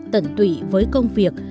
tận tụy với công việc